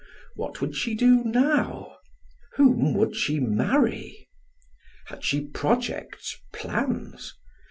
What would she do now? Whom would she marry? Had she projects, plans?